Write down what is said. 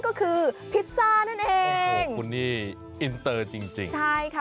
ก็คือพิซซ่านั่นเองคุณนี่อินเตอร์จริงจริงใช่ค่ะ